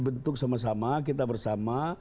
bentuk sama sama kita bersama